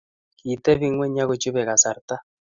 kitebi ng'weny ak kochupei kasarta